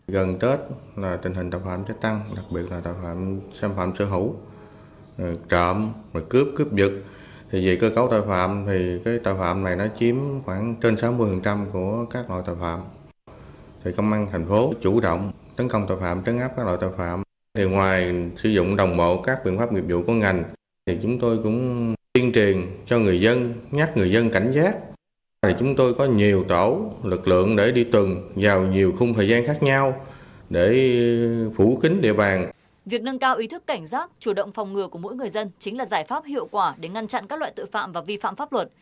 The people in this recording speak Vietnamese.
gần tết là tình hình tội phạm chất tăng đặc biệt là tội phạm sản phẩm sở hữu trộm cướp cướp dựt về cơ cấu tội phạm thì tội phạm này chiếm khoảng trên sáu mươi của các loại tội phạm